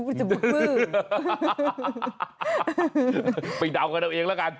ไปเดาตัวเองแล้วกัน